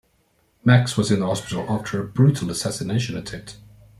Max was in the hospital after a brutal assassination attempt.